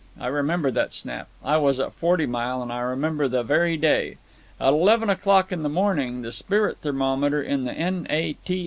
I remember that snap—I was at Forty Mile; and I remember the very day. At eleven o'clock in the morning the spirit thermometer at the N. A. T.